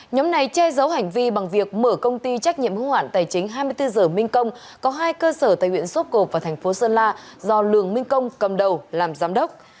nhóm này che giấu hành vi bằng việc mở công ty trách nhiệm hữu hoạn tài chính hai mươi bốn h minh công có hai cơ sở tại huyện sốp cộp và thành phố sơn la do lường minh công cầm đầu làm giám đốc